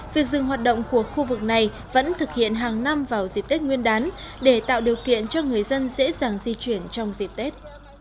việc dừng hoạt động của khu vực này vẫn thực hiện hàng năm vào dịp tết nguyên đán để tạo điều kiện cho người dân dễ dàng di chuyển trong dịp tết